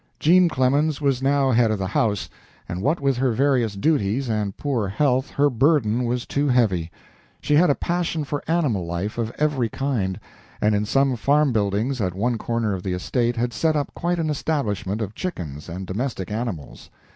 Jean Clemens was now head of the house, and what with her various duties and poor health, her burden was too heavy. She had a passion for animal life of every kind, and in some farm buildings at one corner of the estate had set up quite an establishment of chickens and domestic animals.